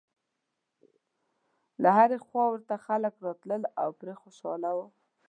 له هرې خوا ورته خلک راتلل او پرې خوشاله و.